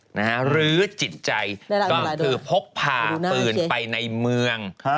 หรือจิตใจก็คือพกพาปืนไปในเมือง